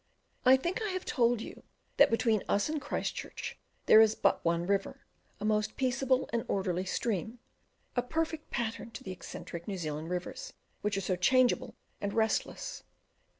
I think I have told you that between us and Christchurch there is but one river, a most peaceable and orderly stream, a perfect pattern to the eccentric New Zealand rivers, which are so changeable and restless.